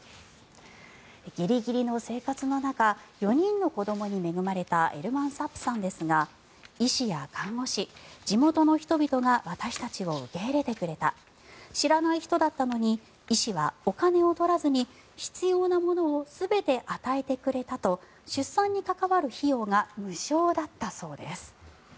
ギリギリの生活の中４人の子どもに恵まれたエルマン・サップさんですが医師や看護師、地元の人々が私たちを受け入れてくれた知らない人だったのに医師はお金を取らずに必要なものを全て与えてくれたと出産に関わる費用が無償だったそうです。